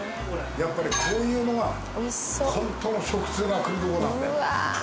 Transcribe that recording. やっぱりこういうのが本当の食通が来るとこなんだよ。